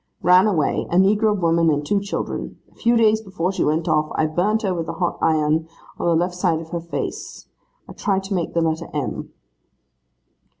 'Ran away, a negro woman and two children. A few days before she went off, I burnt her with a hot iron, on the left side of her face. I tried to make the letter M.